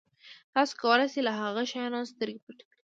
تاسو کولای شئ له هغه شیانو سترګې پټې کړئ.